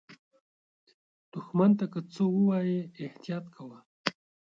دښمن ته که څه ووایې، احتیاط کوه